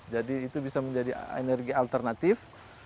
jadi itu bisa menjadi energi alternatif